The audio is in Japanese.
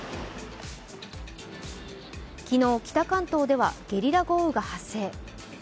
昨日北関東ではゲリラ雷雨が発生。